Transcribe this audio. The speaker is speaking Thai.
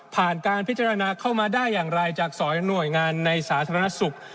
การพิจารณาเข้ามาได้อย่างไรจาก๒หน่วยงานในสาธารณสุข